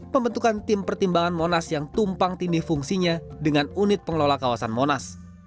pembentukan tim pertimbangan monas yang tumpang tindih fungsinya dengan unit pengelola kawasan monas